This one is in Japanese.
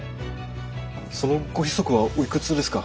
そのご子息はおいくつですか。